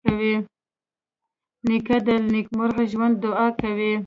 نیکه له نیکمرغه ژوند دعا کوي.